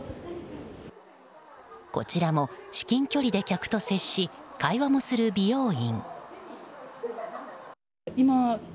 こちらも、至近距離で客と接し会話もする、美容院。